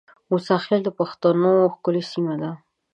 موساخېل د بښتنو ښکلې سیمه ده